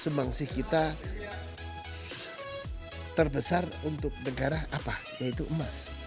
semangsih kita terbesar untuk negara apa yaitu emas